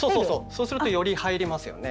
そうするとより入りますよね。